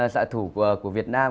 xã thủ của việt nam